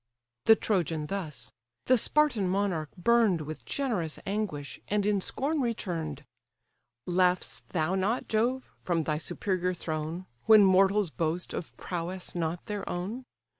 The Trojan thus: the Spartan monarch burn'd With generous anguish, and in scorn return'd: "Laugh'st thou not, Jove! from thy superior throne, When mortals boast of prowess not their own?